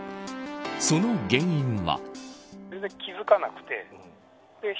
その原因は。